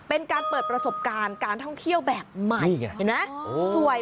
เป็นการเปิดประสบการณ์การท่องเที่ยวแบบใหม่เห็นไหม